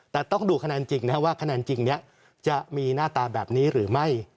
แต่ต้องดูขนาดจริงนะว่าขนาดจริงเนี่ยจะมีหน้าตาแบบนี้หรือไม่